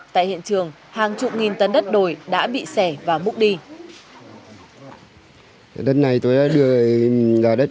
tại hiện trường hàng chục nghìn tấn đất đồi đã bị xẻ và múc đi